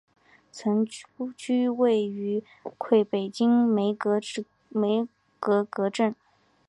曾居住于魁北克梅戈格镇。